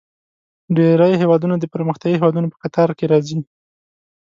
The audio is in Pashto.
ډیری هیوادونه د پرمختیايي هیوادونو په کتار کې راځي.